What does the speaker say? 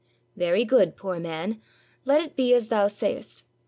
"Very good, poor man, let it be as thou sayest.